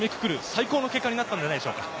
最高の結果になったのではないでしょうか？